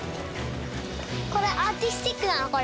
これアーティスティックなのこれ。